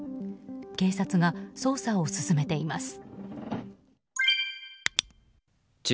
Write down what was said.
警察が捜査を進めています。